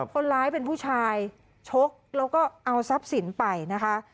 คนร้ายเป็นผู้ชายชกแล้วก็เอาทรัพย์สินไปนะคะ